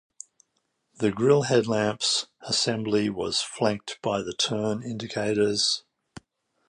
The grille-headlamps assembly was flanked by the turn indicators.